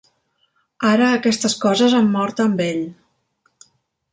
Ara aquestes coses han mort amb ell.